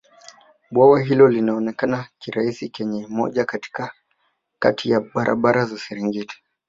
bwawa hilo linaonekana kirahisi kwenye moja Kati ya barabara za serengeti